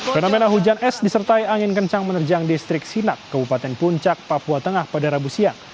fenomena hujan es disertai angin kencang menerjang distrik sinak kabupaten puncak papua tengah pada rabu siang